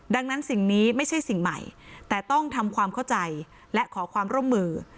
ดังนั้นสิ่งนี้ไม่ใช่สิ่งใหม่แต่ต้องทำความเข้าใจและขอความร่วมมือ